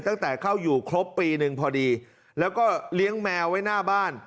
ตั้งแต่เข้าอยู่ครบปีหนึ่งพอดีแล้วก็เลี้ยงแมวไว้หน้าบ้าน